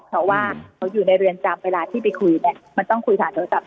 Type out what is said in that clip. เพราะว่าเขาอยู่ในเรือนจำเวลาที่ไปคุยเนี่ยมันต้องคุยผ่านโทรศัพท